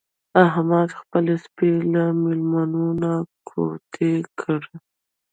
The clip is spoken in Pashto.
احمد خپل سپی له مېلمانه نه کوتې کړ.